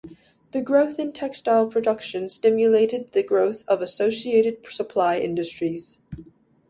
The growth in textile production stimulated the growth of associated supply industries.